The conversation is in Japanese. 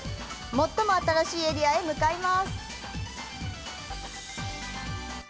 最も新しいエリアへ向かいます。